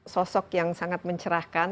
sosok yang sangat mencerahkan